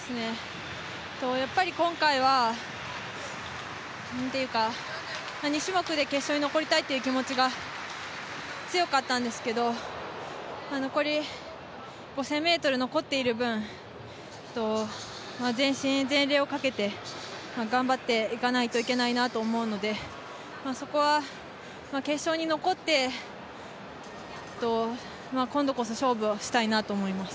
今回は２種目で決勝に残りたいという気持ちが強かったんですけど、５０００ｍ、残っている分、全身全霊をかけて頑張っていかないといけないなと思うのでそこは決勝に残って今度こそ勝負をしたいなと思います。